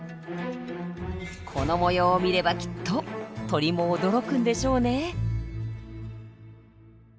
この模様を見ればきっと鳥も驚くんでしょうね。